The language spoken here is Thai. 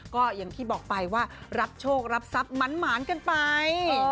ก็อย่างที่บอกไปว่ารับโชครับทรัพย์หมานกันไป